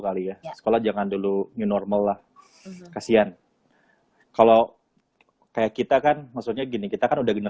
kali ya sekolah jangan dulu new normal lah kasihan kalau kayak kita kan maksudnya gini kita kan udah